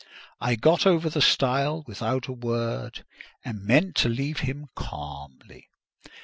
I got over the stile without a word, and meant to leave him calmly.